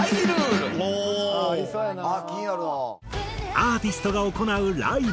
アーティストが行うライブ。